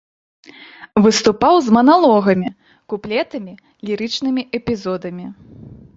Выступаў з маналогамі, куплетамі, лірычнымі эпізодамі.